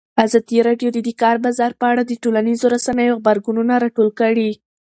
ازادي راډیو د د کار بازار په اړه د ټولنیزو رسنیو غبرګونونه راټول کړي.